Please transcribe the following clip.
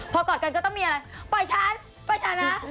พอกอดกันก็ต้องมีอะไรปล่อยฉันปล่อยฉันนะ